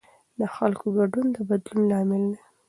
د خلکو ګډون د بدلون لامل دی